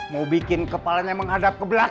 mau bikin kepalanya menghadap ke belakang